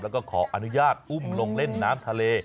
แล้วก็ขออนุญาตอุ้มลงเล่นน้ำทะเล